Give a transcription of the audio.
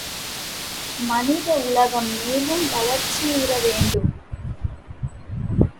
மனித உலகம் மேலும் வளர்ச்சியுற வேண்டும்.